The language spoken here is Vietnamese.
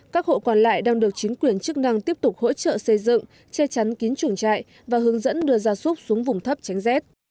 các hộ còn lại đang được chính quyền chức năng tiếp tục hỗ trợ xây dựng che chắn kín chuồng trại và hướng dẫn đưa gia súc xuống vùng thấp tránh rét